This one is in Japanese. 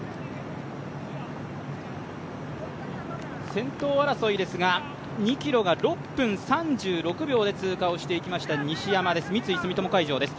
先頭争いですが２ｋｍが６分３６秒で通過をしていきました西山です、三井住友海上です。